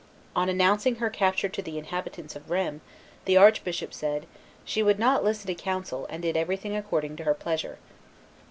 On announcing her capture to the inhabitants of Rheims, the arch bishop said, "She would not listen to counsel, and did everything according to her pleasure."